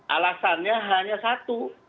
alasannya hanya satu